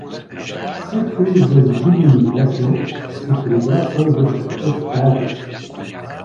Все тъй възбуден и весел се прибра той вечерта в стаята си.